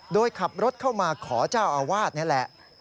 โดยขับรถเข้ามาขอเจ้าอาวาสนี่แหละ